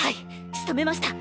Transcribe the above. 仕留めました！！